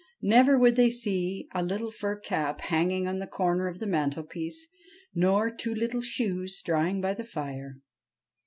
Never would they see a little fur cap hanging on the corner of the mantelpiece, nor two little shoes drying by the fire.